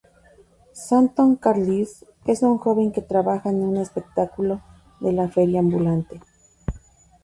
Stanton Carlisle es un joven que trabaja en un espectáculo de la feria ambulante.